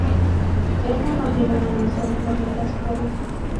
Ella no tiene una emoción que aumenta su poder.